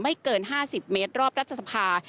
เกิน๕๐เมตรรอบรัฐสภา